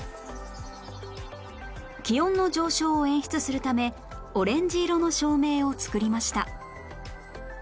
気温の上昇を演出するためオレンジ色の照明を作りました